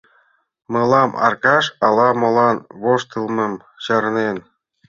«Мылам», — Аркаш ала-молан воштылмым чарнен.